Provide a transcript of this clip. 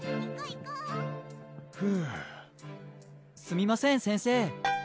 行こフすみません先生